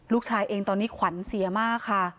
ลูกชายเองตอนนี้ขวัญเสียมากค่ะ